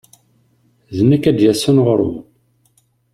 D nekk an id yas ɣur-wen.